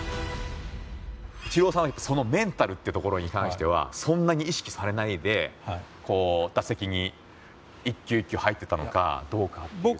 イチローさんはメンタルというところに関してはそんなに意識されないで、打席に一球一球入っていたのかどうかというところが。